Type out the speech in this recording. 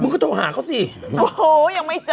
ก็โทรหาเขาสิโอ้โหยังไม่เจอ